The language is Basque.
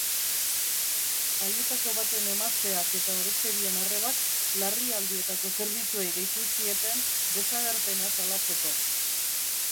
Haietako baten emazteak eta beste bien arrebak larrialdietako zerbitzuei deitu zieten desagerpena salatzeko.